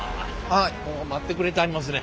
もう待ってくれてはりますね。